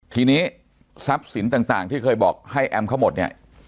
ทีนี้ทรัพย์สินต่างที่เคยบอกให้แอมเขาหมดเนี่ย